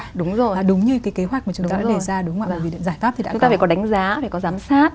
chúng ta phải có đánh giá phải có giám sát